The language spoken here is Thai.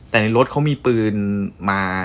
แต่ในรถเขามีปืนมา